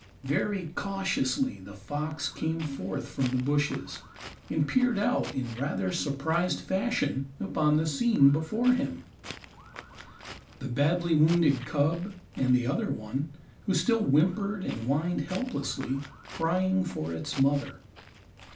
Very cautiously the fox came forth from the bushes, and peered out in rather surprised fashion upon the scene before him; the badly wounded cub, and the other one, who still whimpered and whined helplessly, crying for its mother.